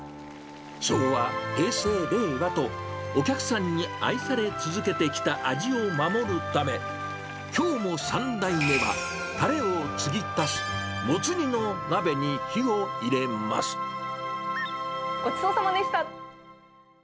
昭和、平成、令和と、お客さんに愛され続けてきた味を守るため、きょうも３代目は、たれを継ぎ足し、ごちそうさまでした。